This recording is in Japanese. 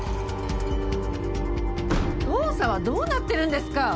捜査はどうなってるんですか